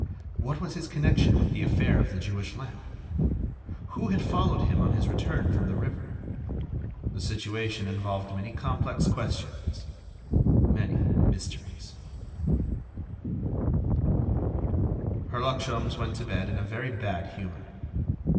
What was his connection with the affair of the Jewish lamp? Who had followed him on his return from the river? The situation involved many complex questions—many mysteries—— Herlock Sholmes went to bed in a very bad humor.